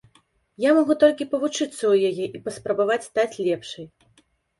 Я магу толькі павучыцца ў яе і паспрабаваць стаць лепшай.